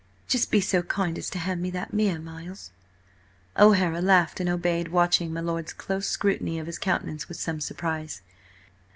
Just be so kind as to hand me that mirror, Miles." O'Hara laughed and obeyed, watching my lord's close scrutiny of his countenance with some surprise.